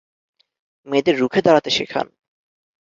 মেয়েদের রুখে দাঁড়াতে শেখান।